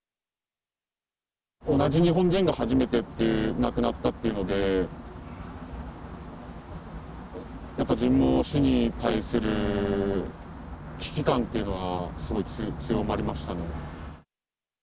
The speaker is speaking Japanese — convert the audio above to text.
同じ日本人が初めてっていう、亡くなったっていうので、やっぱ自分も死に対する危機感というのはすごい強まりましたね。